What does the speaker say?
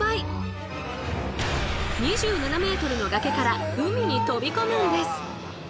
２７ｍの崖から海に飛び込むんです！